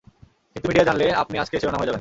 কিন্তু মিডিয়া জানলে, আপনি আজকের শিরোনাম হয়ে যাবেন।